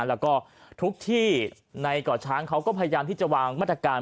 แล้วก็ทุกที่ในเกาะช้างเขาก็พยายามที่จะวางมาตรการ